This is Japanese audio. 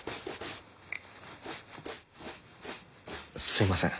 すみません。